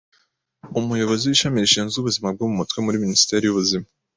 Umuyobozi w’ishami rishinzwe ubuzima bwo mu mutwe muri Minisiteri y’Ubuzima,